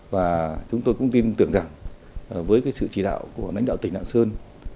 và chúng tôi cũng tin tưởng rằng với sự chỉ đạo của lãnh đạo tỉnh lạng sơn